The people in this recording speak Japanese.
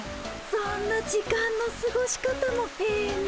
そんな時間のすごし方もええねえ。